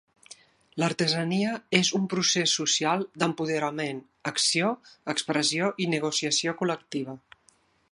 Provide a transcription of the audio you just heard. L'artesania és un procés social d'empoderament, acció, expressió i negociació col·lectiva.